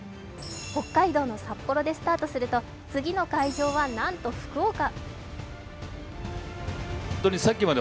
北海道の札幌でスタートすると次の会場はなんと福岡。